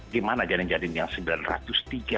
gimana jalan jalan yang sembilan ratus tiga